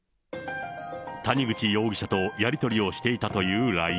谷口容疑者とやり取りしていたというＬＩＮＥ。